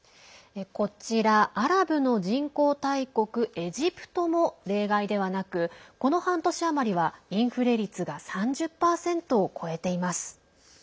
こちら、アラブの人口大国エジプトも例外ではなくこの半年余りはインフレ率が３０％を超えています。